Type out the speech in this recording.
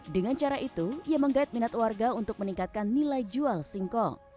dengan cara itu ia menggait minat warga untuk meningkatkan nilai jual singkong